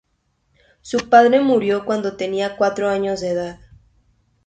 Su padre murió cuando tenía cuatro años de edad.